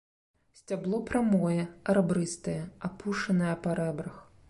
Сцябло прамое, рабрыстае, апушанае па рэбрах.